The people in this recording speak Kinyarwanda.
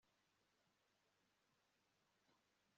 Asangayo ikirere ibyiza byinshi